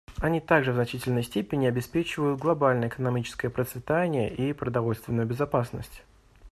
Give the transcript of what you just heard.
Они также в значительной степени обеспечивают глобальное экономическое процветание и продовольственную безопасность.